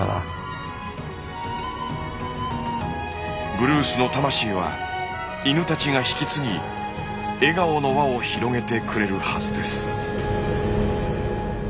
ブルースの魂は犬たちが引き継ぎ笑顔の輪を広げてくれるはずです。